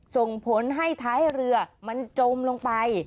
ส่งผลให้ท้ายเรือมันจมลงไป